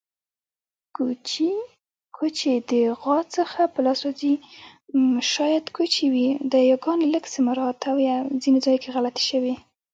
کوچي د غوا څخه په لاس راځي.